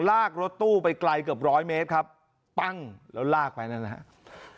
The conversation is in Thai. ลากรถตู้ไปไกลเกือบร้อยเมตรครับปั้งแล้วลากไปนั่นนะครับ